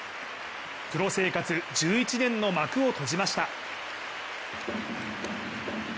プロ生活１１年の幕を閉じました。